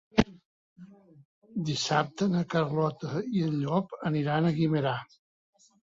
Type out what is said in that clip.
Dissabte na Carlota i en Llop aniran a Guimerà.